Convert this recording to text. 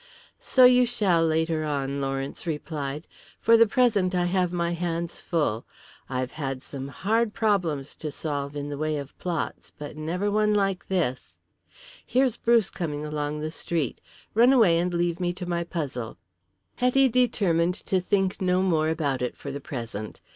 "So you shall later on," Lawrence replied. "For the present I have my hands full. I've had some hard problems to solve in the way of plots, but never one like this. Here's Bruce coming along the street. Run away and leave me to my puzzle." Hetty determined to think no more about it for the present.